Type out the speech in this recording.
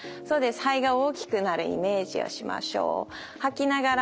肺が大きくなるイメージをしましょう。